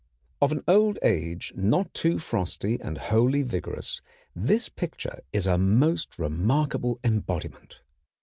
Of an old age not too frosty and wholly vigorous, this picture is a most remarkable embodiment.